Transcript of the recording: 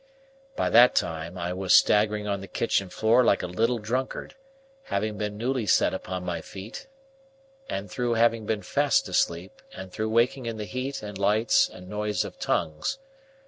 By that time, I was staggering on the kitchen floor like a little drunkard, through having been newly set upon my feet, and through having been fast asleep, and through waking in the heat and lights and noise of tongues.